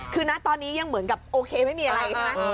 คือนะตอนนี้ยังเหมือนกับโอเคไม่มีอะไรใช่ไหม